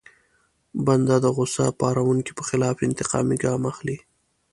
بنده د غوسه پاروونکي په خلاف انتقامي ګام اخلي.